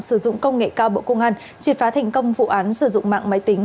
sử dụng công nghệ cao bộ công an triệt phá thành công vụ án sử dụng mạng máy tính